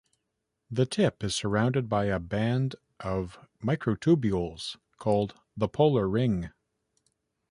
The tip is surrounded by a band of microtubules, called the polar ring.